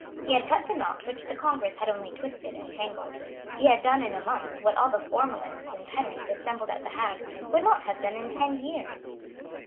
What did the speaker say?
He had cut the knot which the Congress had only twisted and tangled. He had done in a month what all the formalists and pedants assembled at the Hague would not have done in ten years.